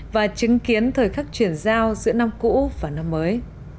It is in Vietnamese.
bài giao giữa năm cũ và năm mới